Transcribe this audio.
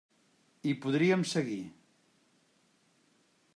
I podríem seguir.